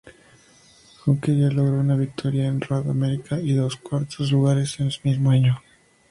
Junqueira logró una victoria en Road America y dos cuartos lugares ese mismo año.